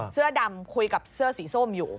เสื้อดำคุยกับเสื้อสีส้มอยู่